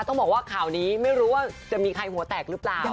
ต้องบอกว่าข่าวนี้ไม่รู้ว่าจะมีใครหัวแตกหรือเปล่า